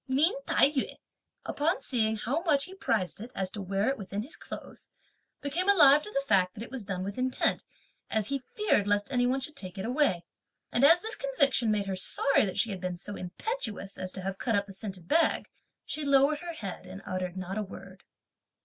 Lin Tai yü, upon seeing how much he prized it as to wear it within his clothes, became alive to the fact that it was done with intent, as he feared lest any one should take it away; and as this conviction made her sorry that she had been so impetuous as to have cut the scented bag, she lowered her head and uttered not a word.